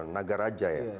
naga raja ya